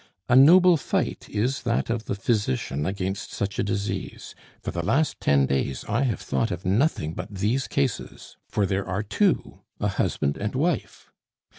A noble fight is that of the physician against such a disease. For the last ten days I have thought of nothing but these cases for there are two, a husband and wife.